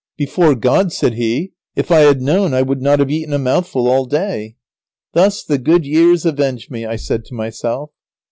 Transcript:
"Before God," said he, "if I had known I would not have eaten a mouthful all day." "Thus the good years avenge me," I said to myself.